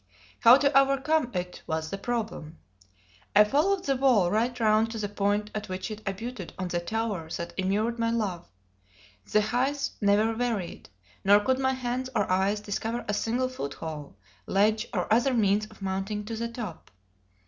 How to overcome it was the problem. I followed the wall right round to the point at which it abutted on the tower that immured my love; the height never varied; nor could my hands or eyes discover a single foot hole, ledge, or other means of mounting to the top.